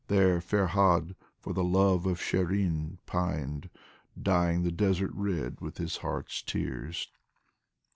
There Ferhad for the love of Shirin pined, Dyeing the desert red with his heart's tears.